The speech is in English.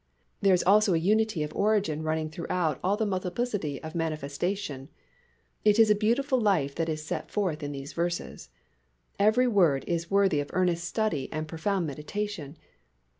There is also a unity of origin running throughout all the multiplicity of manifestation. It is a beautiful life that is set forth in these verses. Every word is worthy of earnest study and profound meditation.